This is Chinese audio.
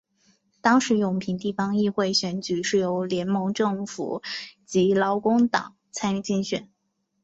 当时永平地方议会选举是由联盟政府及劳工党参与竞选。